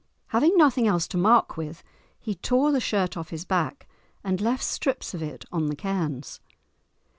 Having nothing else to mark with, he tore the shirt off his back, and left strips of it on the cairns.